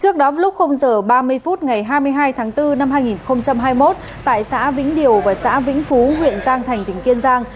trước đó vào lúc h ba mươi phút ngày hai mươi hai tháng bốn năm hai nghìn hai mươi một tại xã vĩnh điều và xã vĩnh phú huyện giang thành tỉnh kiên giang